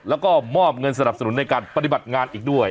แล้วก็มอบเงินสนับสนุนในการปฏิบัติงานอีกด้วย